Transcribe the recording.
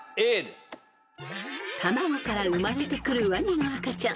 ［卵から生まれてくるワニの赤ちゃん］